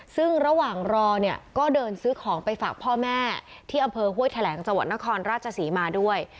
ซึ่งระหว่างรอเนี่ยก็เดินซื้อของไปฝากพ่อแม่ที่อำเภอห้วยแถลงจังหวัดนครราชศรีมาด้วย